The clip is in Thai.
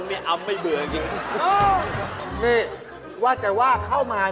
ทำไมถึงว่าพี่เล่นกับหมาหน่อย